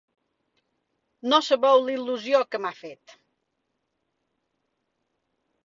No sabeu la il·lusió que m’ha fet!